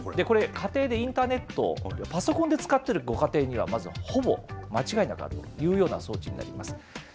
これ、家庭でインターネット、パソコンで使ってるご家庭には、まずはほぼ間違いなくあるというような装置になります。